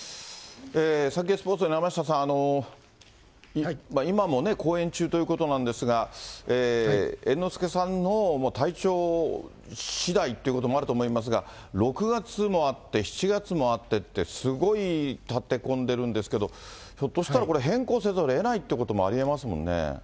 サンケイスポーツの山下さん、今も公演中ということなんですが、猿之助さんの体調しだいということもあると思いますが、６月もあって、７月もあってって、すごい立て込んでるんですけど、ひょっとしたらこれ、変更せざるをえないということもありえますもんね。